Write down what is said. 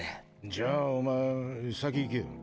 じゃあお前先いけよ。